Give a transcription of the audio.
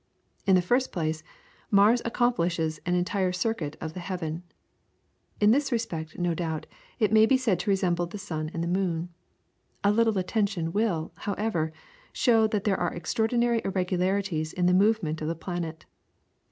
In the first place, Mars accomplishes an entire circuit of the heaven. In this respect, no doubt, it may be said to resemble the sun or the moon. A little attention will, however, show that there are extraordinary irregularities in the movement of the planet.